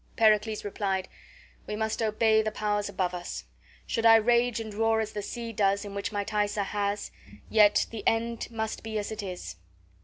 Pericles replied: "We must obey the powers above us. Should I rage and roar as the sea does in which my Thaisa has, yet the end must be as it is.